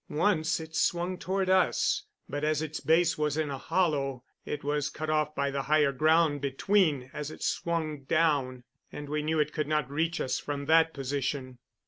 Once it swung toward us, but as its base was in a hollow, it was cut off by the higher ground between as it swung down, and we knew it could not reach us from that position.